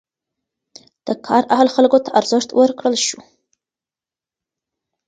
د کار اهل خلکو ته ارزښت ورکړل شو.